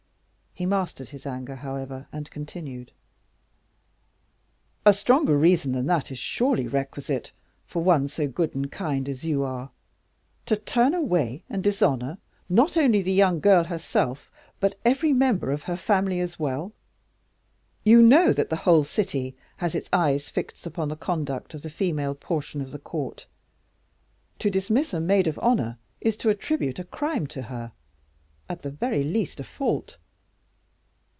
He mastered his anger, however, and continued: "A stronger reason than that is surely requisite, for one so good and kind as you are, to turn away and dishonor, not only the young girl herself, but every member of her family as well. You know that the whole city has its eyes fixed upon the conduct of the female portion of the court. To dismiss a maid of honor is to attribute a crime to her at the very least a fault.